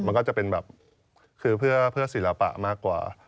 มันก็จะเป็นแบบคือเพื่อศิลปะมากกว่า